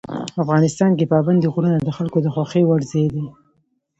افغانستان کې پابندي غرونه د خلکو د خوښې وړ ځای دی.